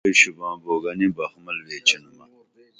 زان کنوں بئی شُباں بو گنی بخمل ویچینُمہ